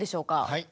はい。